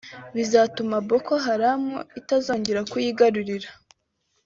bizatuma Boko Haram itazongera kuyigarurira